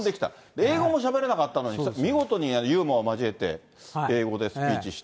英語もしゃべれなかったのに、見事にユーモア交えて、英語でスピーチして。